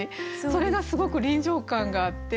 それがすごく臨場感があって。